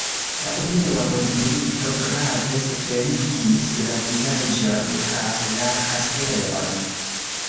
La unua mondmilito grave suferigis la vilaĝon kaj la kastelon.